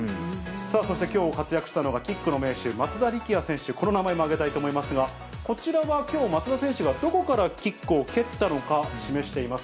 そしてきょう活躍したのが、キックの名手、松田力也選手、この名前も挙げたいと思いますが、こちらはきょう、松田選手がどこからキックを蹴ったのか示しています。